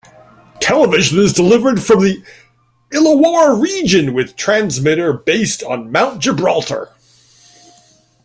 Television is delivered from the Illawarra region with transmitter based on Mount Gibraltar.